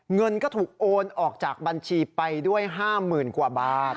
เงินก็ถูกโอนออกจากบัญชีไปด้วย๕๐๐๐กว่าบาท